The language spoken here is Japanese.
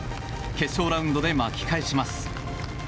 決勝ラウンドで巻き返します。